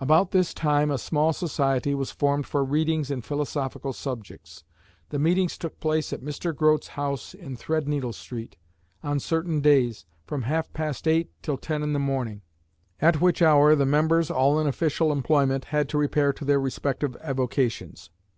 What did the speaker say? "About this time a small society was formed for readings in philosophical subjects. The meetings took place at Mr. Grote's house in Threadneedle Street, on certain days from half past eight till ten in the morning, at which hour the members (all in official employment) had to repair to their respective avocations.